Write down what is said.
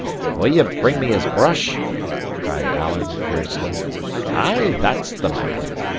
"Will ye bring me his brush?" cries Alan, fiercely. "Ay, that's the man.